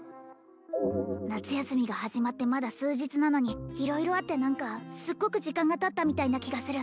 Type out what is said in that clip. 夏休みが始まってまだ数日なのに色々あって何かすっごく時間がたったみたいな気がする